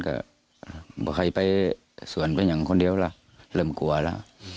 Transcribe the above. ก็บอกว่าใครไปส่วนไปอย่างคนเดียวล่ะเริ่มกลัวล่ะ